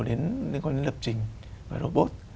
liên quan đến lập trình và robot